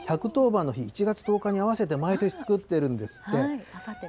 １１０番の日・１月１０日に合わせて毎年作っているんですって。